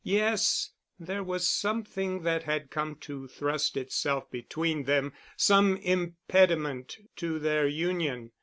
Yes ... there was something that had come to thrust itself between them—some impediment to their union.